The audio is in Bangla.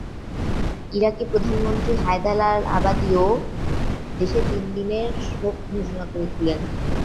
ইরাকি প্রধানমন্ত্রী হায়দার আল-আবাদিও দেশে তিন দিনের শোক ঘোষণা করেছিলেন।